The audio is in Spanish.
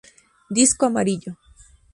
Disco amarillo.